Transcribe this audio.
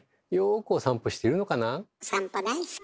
散歩大好き。